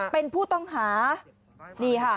เป็นผู้ต้องหานี่ค่ะ